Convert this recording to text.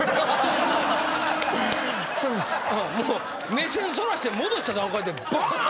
目線そらして戻した段階でバン！